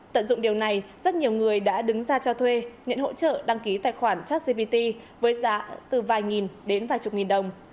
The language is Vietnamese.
tận dụng điều này rất nhiều người đã đứng ra cho thuê nhận hỗ trợ đăng ký tài khoản chartsgpt với giá từ vài nghìn đến vài chục nghìn đồng